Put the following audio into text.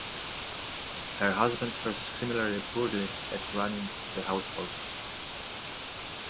Her husband fares similarly poorly at running their household.